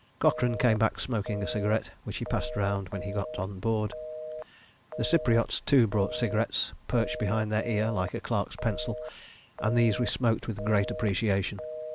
Cochrane came back smoking a cigarette, which he passed round when he got on board. The Cypriotes too brought cigarettes perched behind their ear like a clerk's pencil, and these we smoked with great appreciation.